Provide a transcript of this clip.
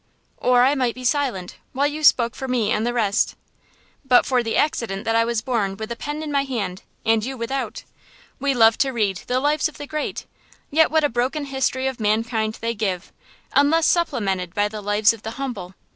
Or I might be silent, while you spoke for me and the rest, but for the accident that I was born with a pen in my hand, and you without. We love to read the lives of the great, yet what a broken history of mankind they give, unless supplemented by the lives of the humble.